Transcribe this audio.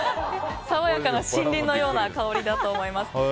爽やかな森林のような香りだと思います。